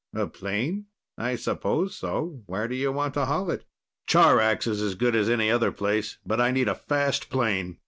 "A plane? I suppose so. Where do you want to haul it?" "Charax is as good as any other place. But I need a fast plane."